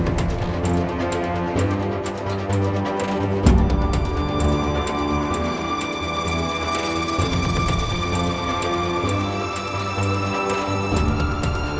aku mau ke rumah